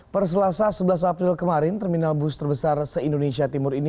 perselasa sebelas april kemarin terminal bus terbesar se indonesia timur ini